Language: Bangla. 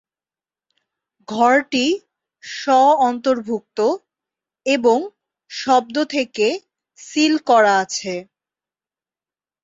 ঘরটি স্ব-অন্তর্ভুক্ত এবং শব্দ থেকে সিল করা আছে।